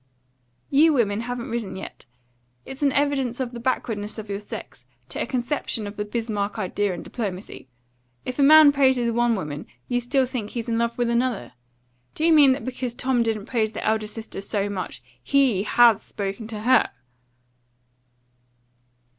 "You women haven't risen yet it's an evidence of the backwardness of your sex to a conception of the Bismarck idea in diplomacy. If a man praises one woman, you still think he's in love with another. Do you mean that because Tom didn't praise the elder sister so much, he HAS spoken to HER?"